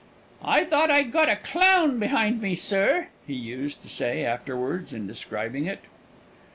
"I thought I'd got a clown behind me, sir!" he used to say afterwards, in describing it.